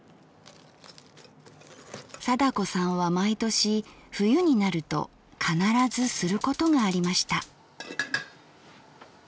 貞子さんは毎年冬になると必ずすることがありました。